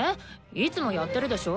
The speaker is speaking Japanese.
いつもやってるでしょ。